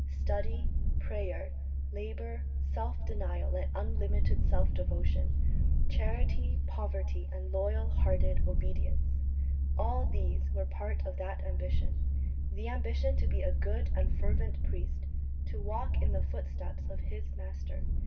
Study, prayer, labour, self denial and unlimited self devotion; charity, poverty and loyal hearted obedience all these were part of that ambition the ambition to be a good and fervent priest, to walk in the footsteps of his Master.